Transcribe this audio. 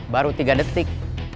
baru tiga detik